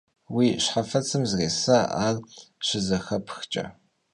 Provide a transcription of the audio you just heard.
Уи щхьэфэцым зресэ, ар щызэхэпхкӀэ.